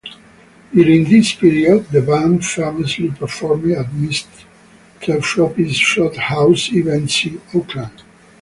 During this period, the band famously performed at Mr Floppy's Flophouse events in Oakland.